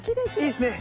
いいっすね。